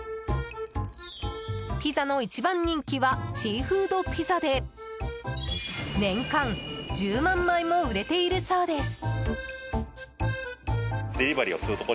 ピザの一番人気はシーフードＰＩＺＺＡで年間１０万枚も売れているそうです。